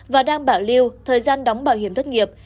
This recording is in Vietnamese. và đang bảo lưu thời gian đóng bảo hiểm thất nghiệp